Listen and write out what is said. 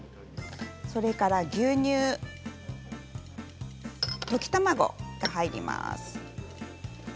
それから牛乳、溶き卵が入ります。